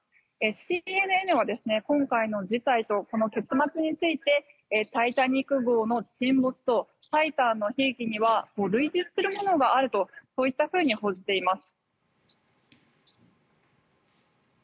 ＣＮＮは今回の事態とこの結末について「タイタニック号」の沈没と「タイタン」の悲劇には類似するものがあると報じています。